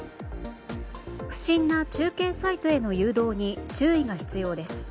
不審な中継サイトへの誘導に注意が必要です。